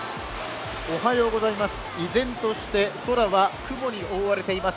依然として空は雲に覆われています。